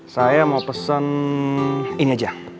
saya mau pesen ini aja